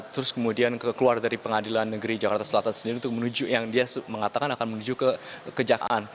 terus kemudian keluar dari pengadilan negeri jakarta selatan sendiri untuk menuju yang dia mengatakan akan menuju ke kejaksaan